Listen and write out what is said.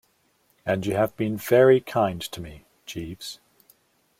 And you have been very kind to me, Jeeves.